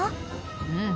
うん。